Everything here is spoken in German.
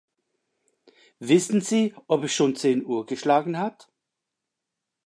Wissen Sie, ob es schon zehn Uhr geschlagen hat?